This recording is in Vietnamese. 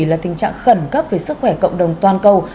là tình trạng khẩn cấp về sức khỏe cộng đồng toàn cầu